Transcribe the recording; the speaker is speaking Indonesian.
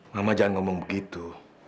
mama jangan ngomong begitu